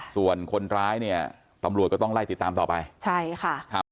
ส่วนคนร้ายเนี่ยตำรวจก็ต้องไล่ติดตามต่อไปใช่ค่ะครับ